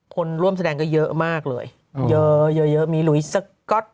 คนร่วมแสดงก็เยอะมากเลยเยอะเยอะมีลุยสก๊อต